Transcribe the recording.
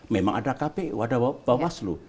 memang ada kpu bawaslu